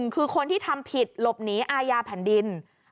คือคนที่ทำผิดหลบหนีอาญาแผ่นดิน